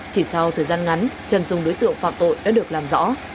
chỉ sau thời gian ngắn trần dung đối tượng phạt tội đã được làm rõ